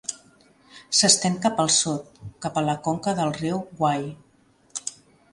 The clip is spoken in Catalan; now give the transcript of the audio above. S'estén cap al sud, cap a la conca del riu Wye.